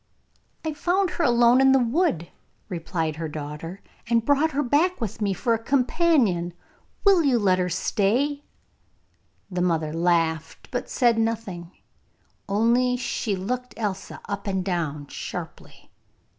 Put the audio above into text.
'I found her alone in the wood,' replied her daughter, 'and brought her back with me for a companion. You will let her stay?' The mother laughed, but said nothing, only she looked Elsa up and down sharply.